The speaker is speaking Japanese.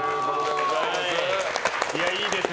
いいですね